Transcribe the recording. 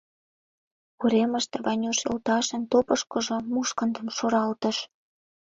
Уремыште Ванюш йолташын тупышкыжо мушкындым шуралтыш: